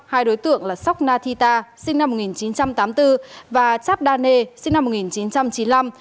hai đối tượng là sok nathita sinh năm một nghìn chín trăm tám mươi bốn và chabdane sinh năm một nghìn chín trăm chín mươi năm